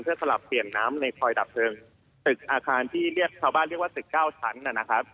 เพื่อสลับเปลี่ยนน้ำในคอยดับเทิงตึกอาคารที่ชาวบ้านเรียกว่า๑๙ชั้น